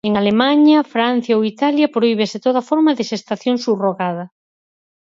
En Alemaña, Francia ou Italia prohíbese toda forma de xestación subrogada.